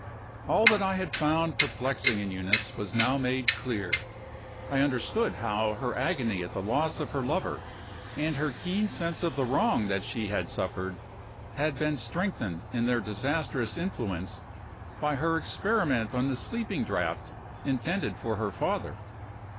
All that I had found perplexing in Eunice was now made clear. I understood how her agony at the loss of her lover, and her keen sense of the wrong that she had suffered, had been strengthened in their disastrous influence by her experiment on the sleeping draught intended for her father.